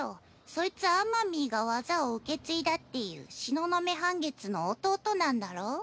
そいつあまみーが技を受け継いだっていう東雲半月の弟なんだろ。